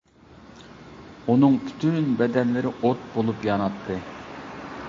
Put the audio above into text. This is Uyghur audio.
ئۇنىڭ پۈتۈن بەدەنلىرى ئوت بولۇپ ياناتتى.